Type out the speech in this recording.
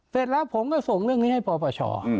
เสร็จแล้วผมก็ส่งเรื่องนี้ให้ปปช